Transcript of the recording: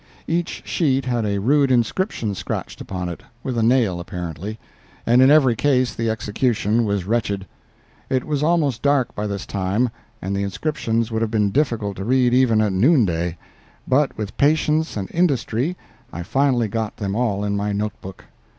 Each sheet had a rude inscription scratched upon it—with a nail, apparently—and in every case the execution was wretched. It was almost dark by this time, and the inscriptions would have been difficult to read even at noonday, but with patience and industry I finally got them all in my note book.